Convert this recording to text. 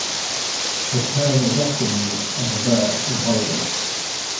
The term is often used as a verb in Hollywood.